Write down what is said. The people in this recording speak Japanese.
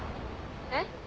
えっ？